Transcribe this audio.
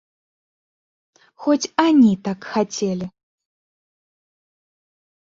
Хоць ані так хацелі.